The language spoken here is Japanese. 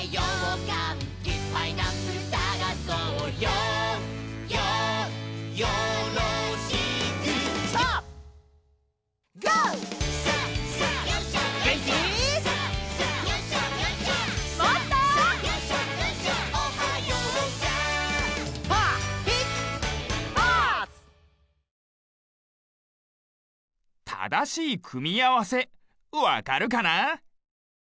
ただしいくみあわせわかるかな？